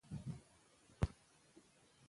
هندوکش د اقلیم یوه مهمه ځانګړتیا ده.